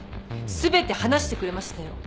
全て話してくれましたよ。